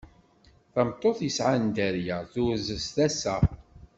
Tameṭṭut yesɛan dderya turez s tasa.